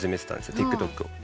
ＴｉｋＴｏｋを。